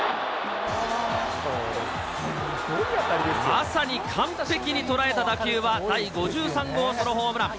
まさに完璧に捉えた打球は第５３号ソロホームラン。